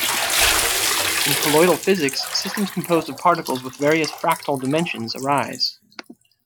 In colloidal physics, systems composed of particles with various fractal dimensions arise.